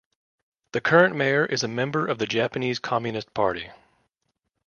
The current mayor, is a member of the Japanese Communist Party.